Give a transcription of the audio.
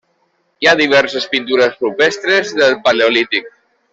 Hi ha diverses pintures rupestres del paleolític.